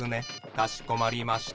かしこまりました。